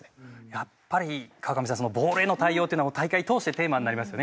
やっぱり川上さんボールへの対応っていうのは大会通してテーマになりますよね